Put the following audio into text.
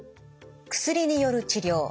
薬による治療